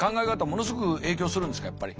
ものすごく影響するんですかやっぱり。